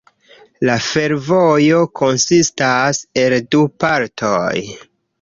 La fervojo konsistas el du partoj.